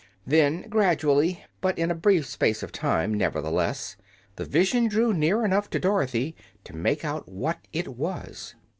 Then, gradually, but in a brief space of time nevertheless, the vision drew near enough to Dorothy to make out what it was.